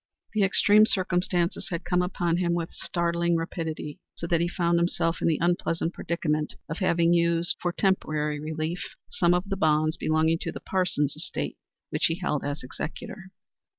The extreme circumstances had come upon him with startling rapidity, so that he found himself in the unpleasant predicament of having used for temporary relief some of the bonds belonging to the Parsons estate which he held as executor.